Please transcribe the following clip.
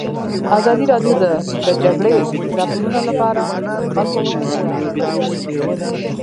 ازادي راډیو د د جګړې راپورونه لپاره د خلکو غوښتنې وړاندې کړي.